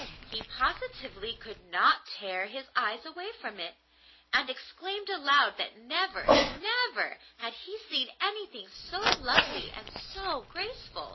He positively could not tear his eyes away from it, and exclaimed aloud that never, never had he seen anything so lovely and so graceful.